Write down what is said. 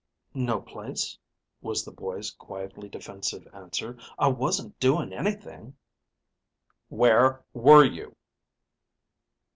"No place," was the boy's quietly defensive answer. "I wasn't doing anything." "Where were you?"